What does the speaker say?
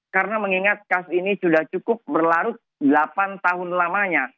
karena mengingat kas ini sudah cukup berlarut delapan tahun lamanya